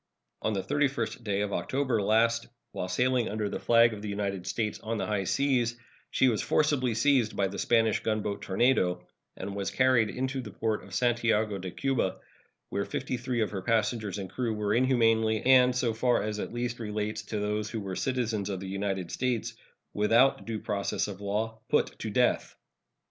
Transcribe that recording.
On the 31st day of October last, while sailing under the flag of the United States on the high seas, she was forcibly seized by the Spanish gunboat Tornado, and was carried into the port of Santiago de Cuba, where fifty three of her passengers and crew were inhumanly, and, so far at least as relates to those who were citizens of the United States, without due process of law, put to death.